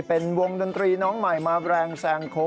เป็นวงดนตรีน้องใหม่มาแรงแซงโค